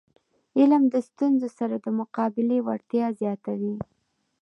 علم د ستونزو سره د مقابلي وړتیا زیاتوي.